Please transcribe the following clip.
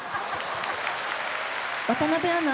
渡辺アナ